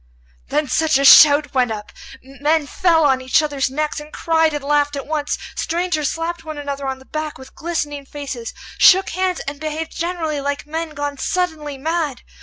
Then such a shout went up! Men fell on each other's necks, and cried and laughed at once. Strangers slapped one another on the back with glistening faces, shook hands, and behaved generally like men gone suddenly mad.